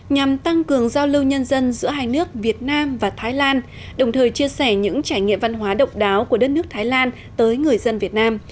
nhằm tăng cường giao lưu nhân dân giữa hai nước việt nam và thái lan đồng thời chia sẻ những trải nghiệm văn hóa độc đáo của đất nước thái lan tới người dân việt nam